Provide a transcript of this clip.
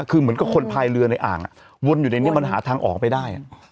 คือเหมือนกับคนพายเรือในอ่างวนอยู่ในนี้มันหาทางออกไปได้